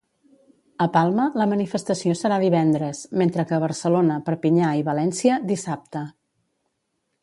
A Palma, la manifestació serà divendres, mentre que a Barcelona, Perpinyà i València, dissabte.